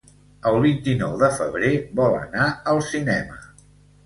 El vint-i-nou de febrer vol anar al cinema.